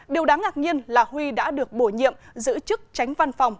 điều đáng ngạc nhiên là huy đã được bổ nhiệm giữ chức tránh văn phòng